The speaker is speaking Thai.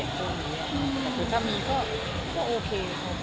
คือถ้ามีก็โอเคครับ